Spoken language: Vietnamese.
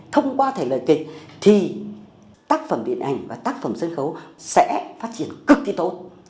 thông qua thể lời kịch thì tác phẩm điện ảnh và tác phẩm sân khấu sẽ phát triển cực kỳ tốt